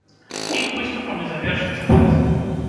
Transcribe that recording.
Іх выступам і завершыцца фэст.